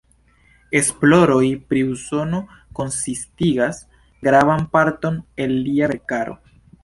Esploroj pri Usono konsistigas gravan parton el lia verkaro.